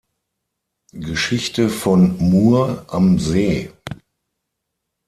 Geschichte von Muhr am See